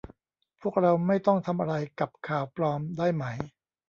พวกเราไม่ต้องทำอะไรกับข่าวปลอมได้ไหม